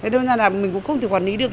thế nên là mình cũng không thể quản lý được